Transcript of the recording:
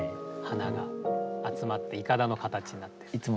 花が集まっていかだの形になってる。